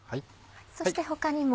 そして他にも。